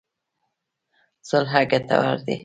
صلح ګټور دی.